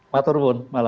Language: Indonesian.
matur pun malam